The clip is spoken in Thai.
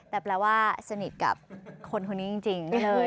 แต่แปลว่าสนิทกับคนคนนี้จริงเลย